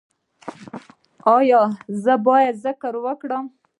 ایا زه باید ذکر وکړم؟